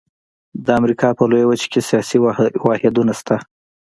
د امریکا په لویه وچه کې سیاسي واحدونه شته.